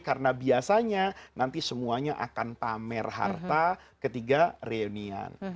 karena biasanya nanti semuanya akan pamer harta ketika reunian